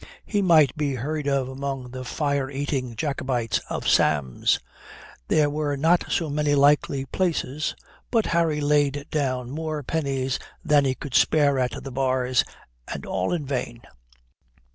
He might be heard of among the fire eating Jacobites of Sam's. There were not so many likely places, but Harry laid down more pennies than he could spare at the bars, and all in vain.